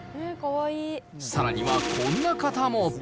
さらにはこんな方も。